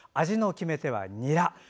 味の決め手は、にら。